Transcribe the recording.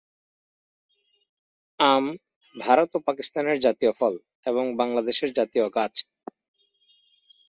আম ভারত ও পাকিস্তানের জাতীয় ফল, এবং বাংলাদেশের জাতীয় গাছ।